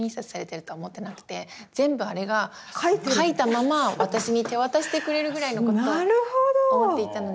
全部あれが描いたまま私に手渡してくれるぐらいのことを思っていたので。